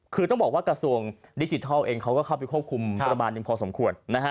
คือต้องบอกว่ากระทรวงดิจิทัลเองเขาก็เข้าไปควบคุมประมาณหนึ่งพอสมควร